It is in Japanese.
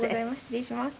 失礼します。